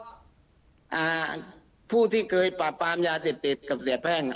เพราะผู้ที่เคยปราบปรามยาเสียติดกับเสียแพง